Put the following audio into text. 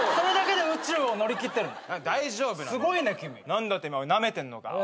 何だてめえなめてんのか？